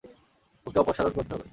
ওকে অপসারণ করতে হবে।